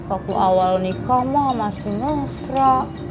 waktu awal nikah mah masih ngesra